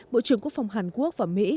bộ trưởng quốc phòng hàn quốc và mỹ